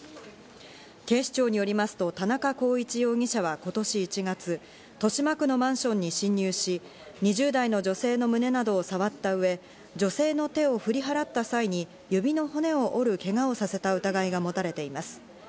警視庁によりますと田中宏一容疑者は今年１月、豊島区のマンションに侵入し、２０代の女性の胸などを触った上、女性の手を振り払った際に指の骨を折るけがをさせた疑いが持たれています。